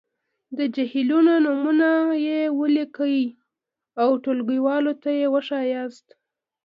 د جهیلونو نومونويې ولیکئ او ټولګیوالو ته یې وښایاست.